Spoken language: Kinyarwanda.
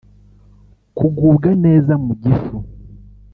Kugubwa neza mu gifu